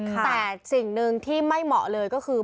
แต่สิ่งหนึ่งที่ไม่เหมาะเลยก็คือ